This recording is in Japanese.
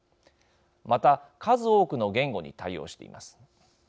また数多くの言語に対応しています。